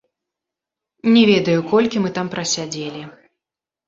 Не ведаю, колькі мы там прасядзелі.